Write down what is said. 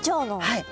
はい。